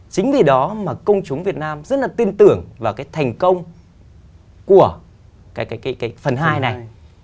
chính vì đó mà công chúng việt nam rất là tin tưởng vào cái thành công của cái phần hai này